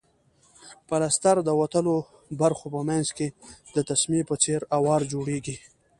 پلستر د وتلو برخو په منځ کې د تسمې په څېر اوار جوړیږي.